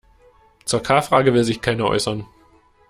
Zur K-Frage will sich keiner äußern.